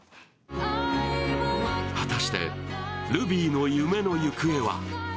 果たしてルビーの夢の行方は？